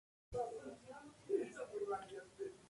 De ahí se dirigieron hacia Río Negro.